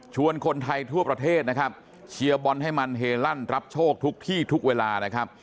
คนไทยทั่วประเทศนะครับเชียร์บอลให้มันเฮลั่นรับโชคทุกที่ทุกเวลานะครับ